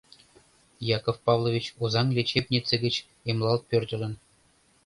Яков Павлович Озаҥ лечебнице гыч эмлалт пӧртылын.